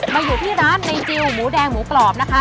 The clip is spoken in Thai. มาอยู่ที่ร้านในจิลหมูแดงหมูกรอบนะคะ